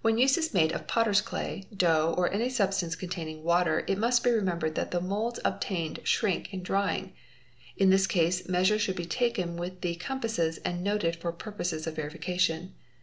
When use is made of potter's clay, dough, or any substance containing water it must be remembered that the moulds obtained shrink in drying. In this case measures should be taken with the compasses and noted for 'purposes of verification.